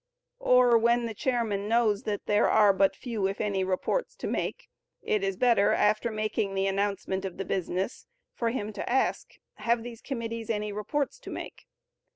Or, when the chairman knows that there are but few if any reports to make, it is better, after making the announcement of the business, for him to ask, "Have these committees any reports to make?"